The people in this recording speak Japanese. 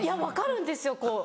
「分かるんですよ